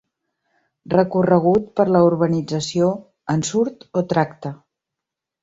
Recorregut per la urbanització "ensurt o tracte".